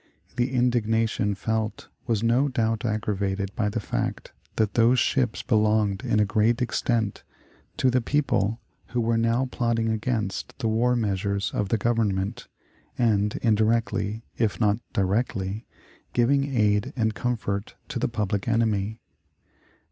The indignation felt was no doubt aggravated by the fact that those ships belonged in a great extent to the people who were now plotting against the war measures of the Government, and indirectly, if not directly, giving aid and comfort to the public enemy.